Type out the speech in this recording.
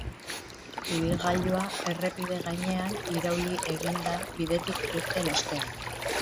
Ibilgailua errepide gainean irauli egin da bidetik irten ostean.